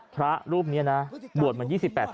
พระรูปนี้นะบวชมัน๒๘ทันศาสตร์